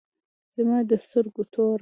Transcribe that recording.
زما د سترگو تور